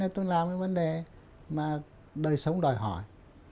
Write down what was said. tôi làm cái vấn đề mà đời sống đòi hỏi